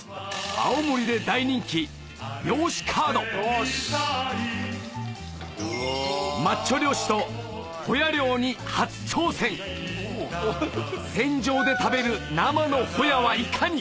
青森でマッチョ漁師とホヤ漁に初挑戦船上で食べる生のホヤはいかに？